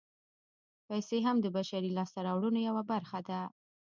پیسې هم د بشري لاسته راوړنو یوه برخه ده